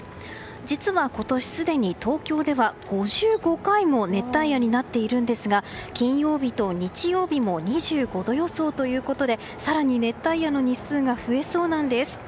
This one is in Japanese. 実は、今年すでに東京では５５回も熱帯夜になっているんですが金曜日と日曜日も２５度予想ということで更に熱帯夜の日数が増えそうなんです。